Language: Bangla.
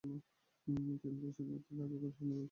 এরপর তিনি স্বাধীনভাবে ধারাবাহিক অনুষ্ঠান নির্মাণ শুরু করেন।